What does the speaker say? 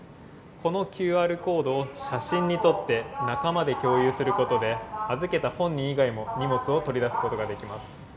このＱＲコードを写真に撮って、仲間に共有することで、預けた本人以外も荷物を取り出すことができます。